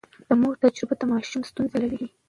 د مور تجربه د ماشوم ستونزې حلوي.